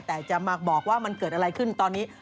แต่จะมาบอกว่ามันเกิดอะไรขึ้นตอนนี้